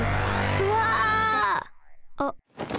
うわ！あっ。